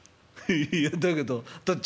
「いやだけどたっ